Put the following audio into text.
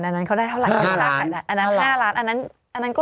อันนั้นเขาได้เท่าไรห้าล้านอันนั้นห้าล้านอันนั้นอันนั้นก็